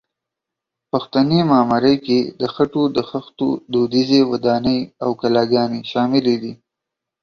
پښتني معمارۍ کې د خټو د خښتو دودیزې ودانۍ او کلاګانې شاملې دي.